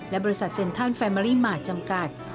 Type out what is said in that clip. และบริษัทเซ็นทัลแฟมิลี่หมาจำกัด